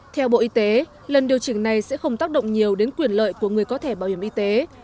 theo bộ y tế lần điều chỉnh này sẽ không tác động nhiều đến quyền lợi của người có thẻ bảo hiểm y tế